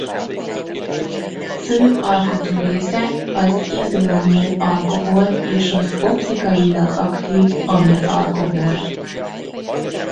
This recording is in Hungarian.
Fő alkotórésze az izoamil-alkohol és az optikailag aktív amil-alkohol.